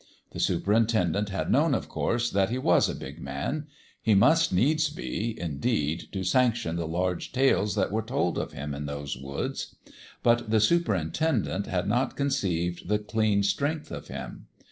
The superintendent had known, of course, that he was a big man : he must needs be, indeed, to sanction the large tales that were told of him in those woods. But the superintendent had not conceived the clean strength of him.